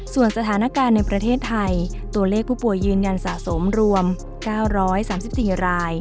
ส่วนสถานการณ์ในประเทศไทยตัวเลขผู้ป่วยยืนยันสะสมรวม๙๓๔ราย